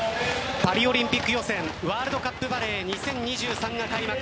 パリオリンピック予選ワールドカップバレー２０２３が開幕。